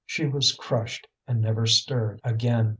She was crushed, and never stirred again.